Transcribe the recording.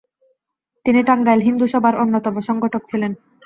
তিনি টাঙ্গাইল হিন্দুসভার অন্যতম সংগঠক ছিলেন।